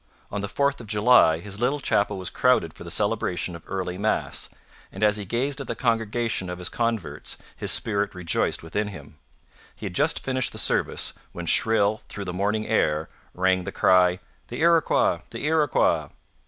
On the 4th of July his little chapel was crowded for the celebration of early Mass, and as he gazed at the congregation of his converts his spirit rejoiced within him. He had just finished the service, when shrill through the morning air rang the cry: 'The Iroquois! The Iroquois!'